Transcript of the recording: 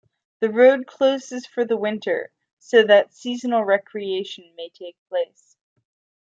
The road closes for the winter so that seasonal recreation may take place.